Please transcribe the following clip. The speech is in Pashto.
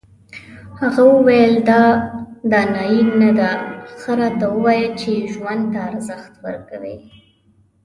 هغه وویل دا دانایي نه ده ښه راته ووایه چې ژوند ته ارزښت ورکوې.